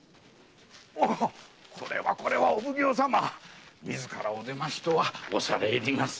これはこれはお奉行様自らお出ましとは恐れ入ります。